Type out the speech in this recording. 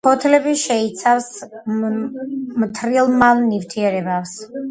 ფოთლები შეიცავს მთრიმლავ ნივთიერებებს.